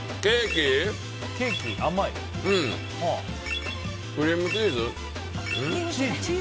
クリームチーズ？